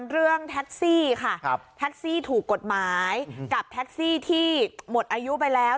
เรื่องแท็กซี่ค่ะแท็กซี่ถูกกฎหมายกับแท็กซี่ที่หมดอายุไปแล้ว